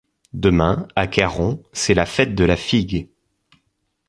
Demain, à Caromb, c'est la fête de la figue.